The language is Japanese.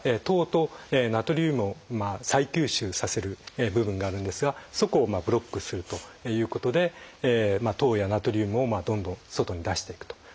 糖とナトリウムを再吸収させる部分があるんですがそこをブロックするということで糖やナトリウムをどんどん外に出していくと。